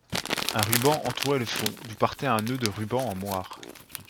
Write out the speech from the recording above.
Un ruban entourait le fond, d'où partait un nœud de rubans en moire.